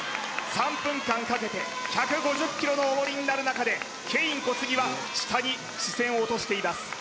３分間かけて１５０ｋｇの重りになる中でケイン・コスギは下に視線を落としています